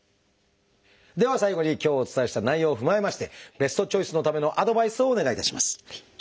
では最後に今日お伝えした内容を踏まえましてベストチョイスのためのアドバイスをお願いします。